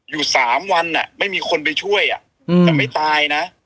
อยู่สามวันว่ะไม่มีคนไปช่วยอ่ะแต่ไม่ตายนะ